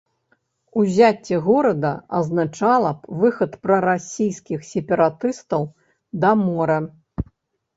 Узяцце горада азначала б выхад прарасійскіх сепаратыстаў да мора.